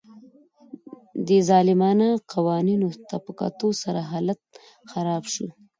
دې ظالمانه قوانینو ته په کتو سره حالت خراب شو